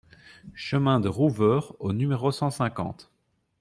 Chemin de Rouveure au numéro cent cinquante